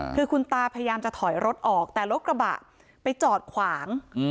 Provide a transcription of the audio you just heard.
คือคุณตาพยายามจะถอยรถออกแต่รถกระบะไปจอดขวาง